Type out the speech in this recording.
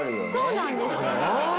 そうなんです。